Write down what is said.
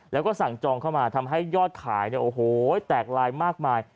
แล้วก็สั่งจองเข้ามาทำให้ยอดขายเนี่ยโอ้โหแตกลายมากมาย